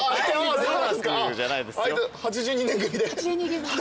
８２年組。